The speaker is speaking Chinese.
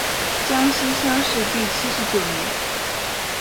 江西乡试第七十九名。